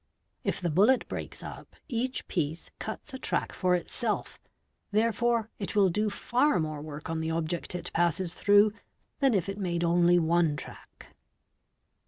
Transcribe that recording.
If the bullet breaks up, each piece cuts a track for itself, therefore it will do far more work on the object it passes through than if it made only one track.